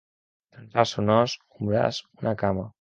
Trencar-se un os, un braç, una cama.